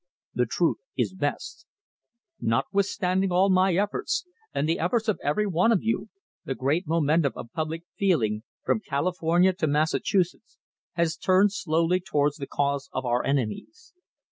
The truth is best. Notwithstanding all my efforts, and the efforts of every one of you, the great momentum of public feeling, from California to Massachusetts, has turned slowly towards the cause of our enemies.